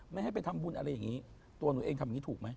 ไม่ให้ไปทำบุญอะไรอย่างนี้ตัวหนูเองทำอย่างนี้ถูกไหม